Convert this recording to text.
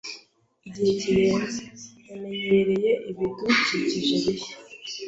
Igihe kirenze, yamenyereye ibidukikije bishya.